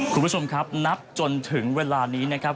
คุณผู้ชมครับนับจนถึงเวลานี้นะครับ